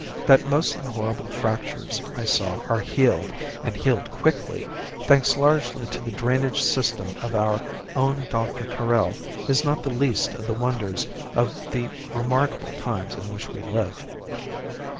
That most of the horrible fractures I saw are healed, and healed quickly thanks largely to the drainage system of our own Doctor Carrel is not the least of the wonders of the remarkable times in which we live.